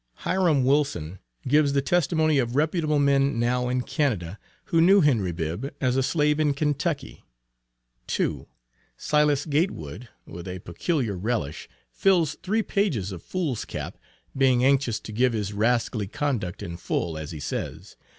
Hiram Wilson gives the testimony of reputable men now in Canada, who knew Henry Bibb as a slave in Kentucky. 2. Silas Gatewood, with a peculiar relish, fills three pages of foolscap, "being anxious to give his rascally conduct in full," as he says.